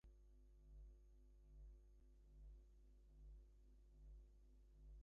Andranik Hakobyan was born in the village of Madina of Martuni Region.